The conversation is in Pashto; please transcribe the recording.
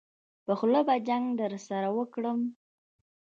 په خوله به جګ درسره وکړم.